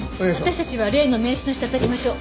私たちは例の名刺の人当たりましょう。